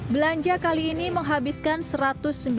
belanja kali ini menghabiskan rp satu ratus sembilan puluh